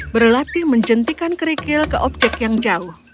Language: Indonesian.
berlatih menjentikan kerikil ke objek yang jauh